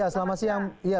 selamat siang mas